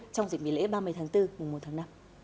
trong dịp nghỉ lễ ba mươi tháng bốn mùa một tháng năm